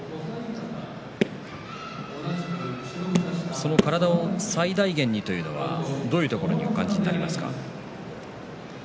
その体を最大限にというのは、どういうところにお感じになりますか？